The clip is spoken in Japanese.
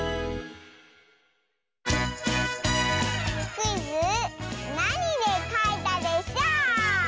クイズ「なにでかいたでショー」！